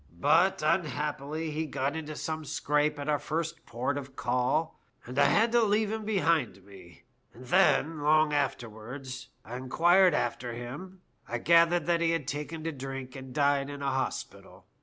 But, unhappily, he got into some scrape at our first port of call, and I had to leave him behind me ; and vehen, long afterwards, I inquired after him, I gathered that he had taken to drink and died in a hospital.